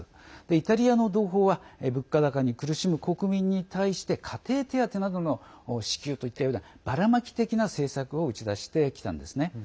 イタリアの同胞は物価高に苦しむ国民に対して家庭手当などの支給といったようなばらまき的な政策を打ち出してきたんですね。